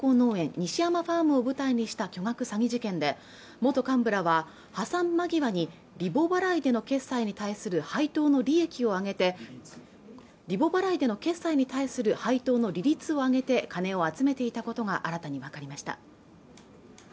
西山ファームを舞台にした巨額詐欺事件で元幹部らは破産間際にリボ払いでの決済に対する配当の利益を上げてリボ払いでの決済に対する配当の利率を上げて金を集めていたことが新たに分かりました